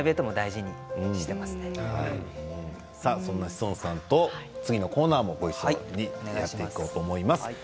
そんな志尊さんと次のコーナーも一緒にやっていこうと思います。